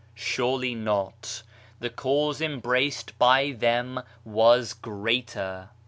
Surely not ; the Cause embraced by them was greater